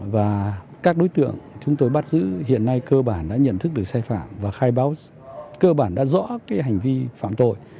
và các đối tượng chúng tôi bắt giữ hiện nay cơ bản đã nhận thức được sai phạm và khai báo cơ bản đã rõ hành vi phạm tội